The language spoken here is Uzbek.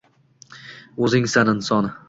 O’zingsan, inson!